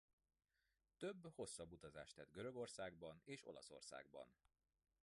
Több hosszabb utazást tett Görögországban és Olaszországban.